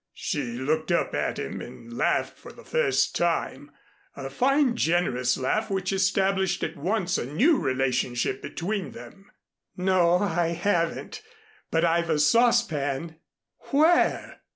She looked up at him and laughed for the first time, a fine generous laugh which established at once a new relationship between them. "No I haven't but I've a saucepan." "Where?"